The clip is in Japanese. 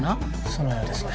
そのようですね。